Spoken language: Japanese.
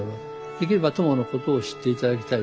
できれば鞆のことを知って頂きたい。